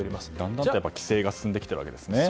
だんだんと規制が進んできているわけですね。